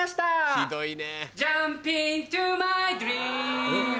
ひどいね。